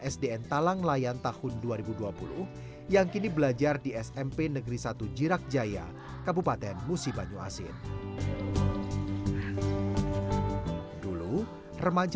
selamat pagi atta